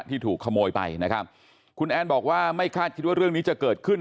ที่ถูกขโมยไปนะครับคุณแอนบอกว่าไม่คาดคิดว่าเรื่องนี้จะเกิดขึ้น